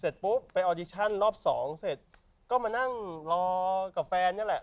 เสร็จปุ๊บไปรอบสองเสร็จก็มานั่งรอกับแฟนเนี้ยแหละ